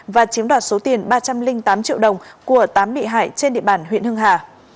và chiếm đoạt số tiền ba trăm linh tám triệu đồng của tám bị hại trên địa bàn huyện hưng hà